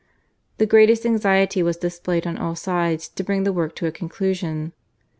The greatest anxiety was displayed on all sides to bring the work to a conclusion.